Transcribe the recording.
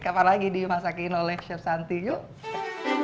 kapan lagi dimasakin oleh chef santi yuk